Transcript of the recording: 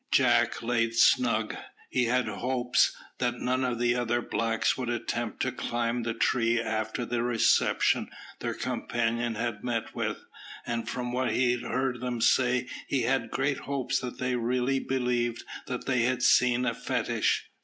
Jack lay snug. He had hopes that none of the other blacks would attempt to climb the tree after the reception their companion had met with; and from what he heard them say he had great hopes that they really believed they had seen a fetish.